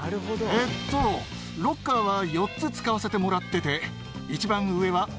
えっとロッカーは４つ使わせてもらってて。